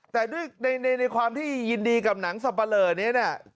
แต่ด้วยในความที่ยินดีกับหนังสับปะเลอนี้เนี่ย